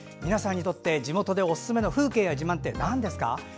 皆さんにとって地元のおすすめの風景や自慢ってなんですか？